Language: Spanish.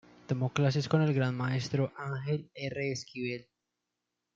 Tomó clases con el gran maestro Ángel R. Esquivel.